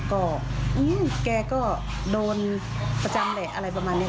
ก็แกก็โดนประจำแหละอะไรประมาณนี้